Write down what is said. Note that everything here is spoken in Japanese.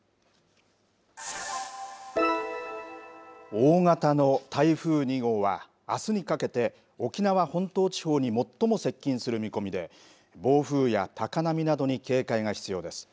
大型の台風２号はあすにかけて沖縄本島地方に最も接近する見込みで暴風や高波などに警戒が必要です。